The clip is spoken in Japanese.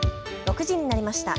６時になりました。